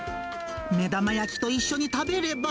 目玉焼きと一緒に食べれば。